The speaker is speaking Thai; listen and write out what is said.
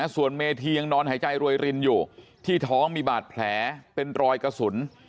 ส่วนเมธียังนอนหายใจรวยรินอยู่ที่ท้องมีบาดแผลเป็นรอยกระสุน